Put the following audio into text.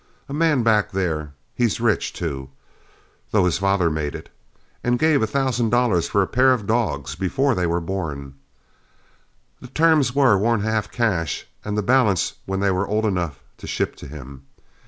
A man back there he's rich, too, though his father made it gave a thousand dollars for a pair of dogs before they were born. The terms were one half cash and the balance when they were old enough to ship to him.